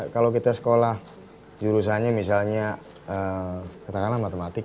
kalau kita sekolah jurusannya misalnya katakanlah matematik